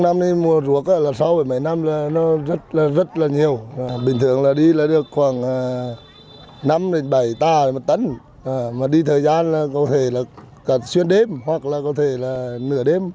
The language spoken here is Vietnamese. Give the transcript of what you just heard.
năm đi mua ruốc là sáu bảy năm là rất là nhiều bình thường là đi là được khoảng năm bảy tà một tấn mà đi thời gian là có thể là suyên đêm hoặc là có thể là nửa đêm